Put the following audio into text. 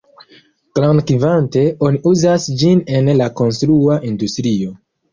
Grandkvante, oni uzas ĝin en la konstrua industrio.